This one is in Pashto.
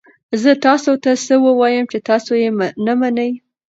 زه تاسو ته څه ووایم چې تاسو یې نه منئ؟